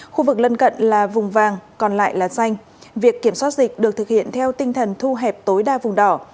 khu vực lân cận là vùng vàng còn lại là xanh việc kiểm soát dịch được thực hiện theo tinh thần thu hẹp tối đa vùng đỏ